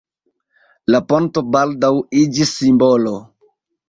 La ponto baldaŭ iĝis simbolo.